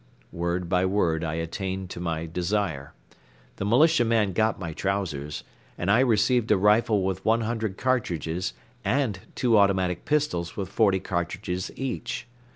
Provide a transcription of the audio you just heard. Word by word I attained to my desire. The militia man got my trousers and I received a rifle with one hundred cartridges and two automatic pistols with forty cartridges each.